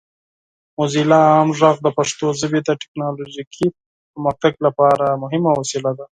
موزیلا عام غږ د پښتو ژبې د ټیکنالوجیکي پرمختګ لپاره مهمه وسیله ده.